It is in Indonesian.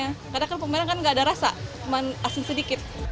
kadang kadang kan pemeran gak ada rasa cuma asin sedikit